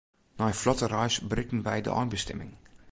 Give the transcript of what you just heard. Nei in flotte reis berikten wy de einbestimming.